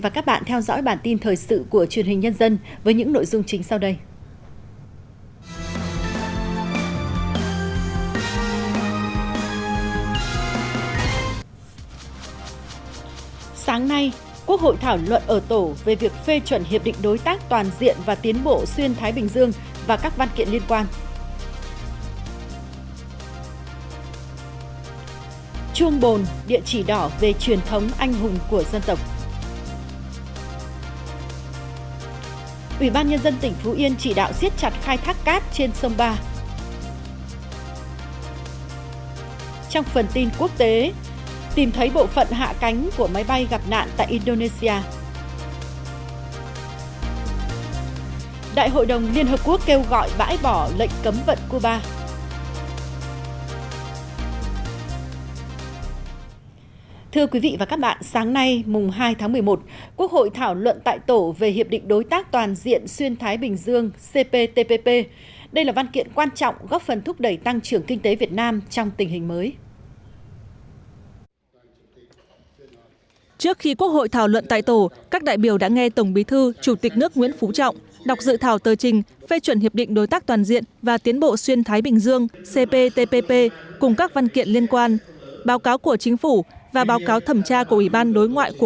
chào mừng quý vị đến với bản tin thời sự của truyền hình nhân dân với những nội dung chính sau đây